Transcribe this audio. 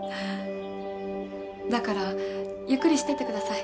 だからゆっくりしてってください。